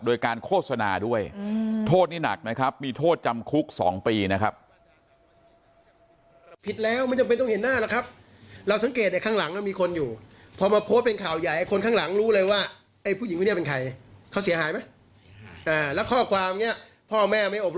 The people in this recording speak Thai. โดยการโฆษณาด้วยอืมโทษนี่หนักไหมครับ